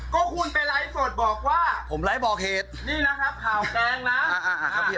ก็คุณไปไล่สดบอกว่าผมไล่บอกเหตุนี่นะครับข่าวแกงน่ะอ่าอ่าอ่าครับพี่